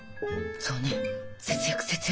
そうね節約節約。